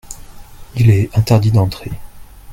Il est interdit d'entrer.